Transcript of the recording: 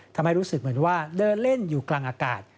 ทำให้รู้สึกเหมือนว่าเดินเล่นอยู่กลางอากาศ